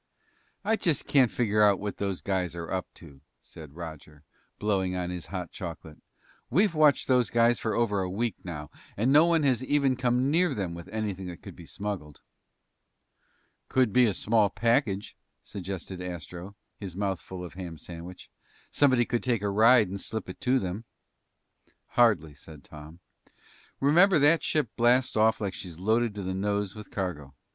"I just can't figure out what those guys are up to," said Roger, blowing on his hot chocolate. "We've watched those guys for over a week now and no one has even come near them with anything that could be smuggled." "Could be a small package," suggested Astro, his mouth full of ham sandwich. "Somebody could take a ride and slip it to them." "Hardly," said Tom. "Remember, that ship blasts off like she's loaded to the nose with cargo.